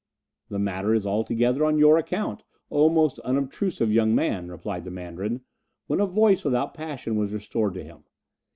"The matter is altogether on your account, O most unobtrusive young man," replied the Mandarin, when a voice without passion was restored to him.